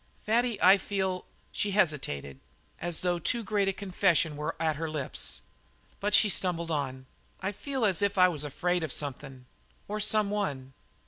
"Fatty, I feel " She hesitated, as though too great a confession were at her lips, but she stumbled on: "I feel as if I was afraid of somethin', or someone."